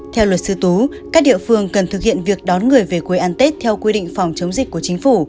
theo luật sư tú các địa phương cần thực hiện việc đón người về quê an tết theo quy định phòng chống dịch của chính phủ